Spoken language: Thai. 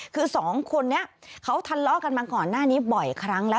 คือสองคนนี้เขาทะเลาะกันมาก่อนหน้านี้บ่อยครั้งแล้ว